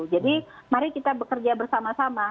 jadi mari kita bekerja bersama sama